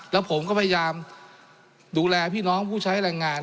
แล้วผมก็พยายามดูแลพี่น้องผู้ใช้แรงงาน